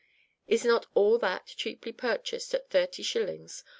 Is not all that cheaply purchased at 30 shillings?